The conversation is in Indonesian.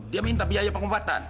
dia minta biaya pengobatan